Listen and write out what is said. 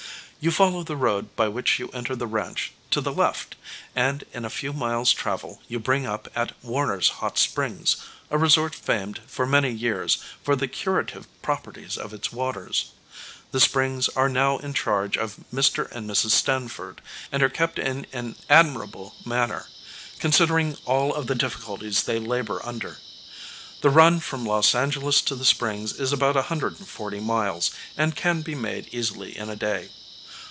You follow the road by which you enter the ranch, to the left, and in a few miles' travel you bring up at Warner's Hot Springs, a resort famed for many years for the curative properties of its waters. The springs are now in charge of Mr. and Mrs. Stanford, and are kept in an admirable manner, considering all of the difficulties they labor under. The run from Los Angeles to the springs is about 140 miles, and can be made easily in a day.